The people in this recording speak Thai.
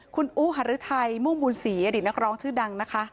คุณอูหารือไทยมุ่งบุญศรีอดีตนักร้องชื่อดังนะคะ